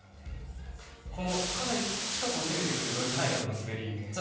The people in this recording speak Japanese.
かなり近くを攻めてくるロイク・メイヤードの滑り。